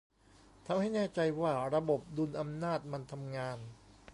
ทำให้แน่ใจว่าระบบดุลอำนาจมันทำงาน